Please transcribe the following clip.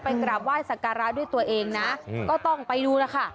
ไปกราบว่ายสักการราชด้วยตัวเองนะก็ต้องไปดูนะคะ